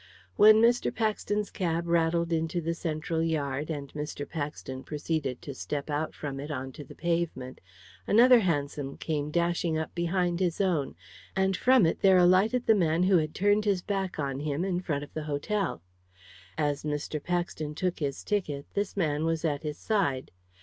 When Mr. Paxton's cab rattled into the central yard, and Mr. Paxton proceeded to step out from it on to the pavement, another hansom came dashing up behind his own, and from it there alighted the man who had turned his back on him in front of the hotel. As Mr. Paxton took his ticket this man was at his side.